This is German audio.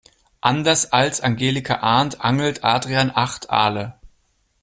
Anders als Angelika Arndt angelt Adrian acht Aale.